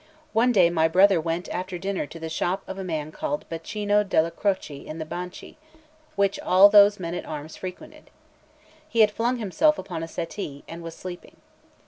One day my brother went after dinner to the shop of a man called Baccino della Croce in the Banchi, which all those men at arms frequented. He had flung himself upon a settee, and was sleeping.